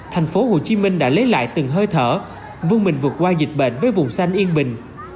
thành phố hồ chí minh đã lấy lại từng hơi thở vươn mình vượt qua dịch bệnh với vùng xanh yên bình